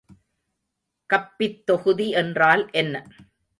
கப்பித் தொகுதி என்றால் என்ன?